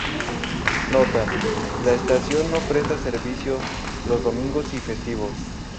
Nota: "la estación no presta servicio los domingos y festivos.